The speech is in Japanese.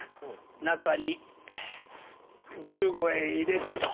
中に１５円入れてと。